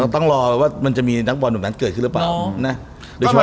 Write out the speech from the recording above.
ต้องรอว่ามันจะมีนักบอลแบบนั้นเกิดขึ้นหรือเปล่านะ